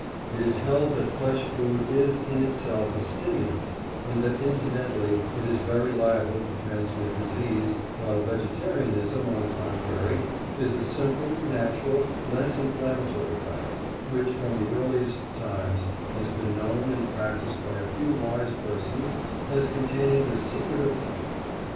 It is held that flesh food is in itself a stimulant, and that incidentally it is very liable to transmit disease, while vegetarianism, on the contrary, is a simple, natural, less inflammatory diet, which from the earliest times has been known and practised by a few wise persons as containing the secret of health.